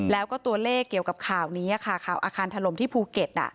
แล้วก็ตัวเลขเกี่ยวกับข่าวนี้ค่ะข่าวอาคารถล่มที่ภูเก็ต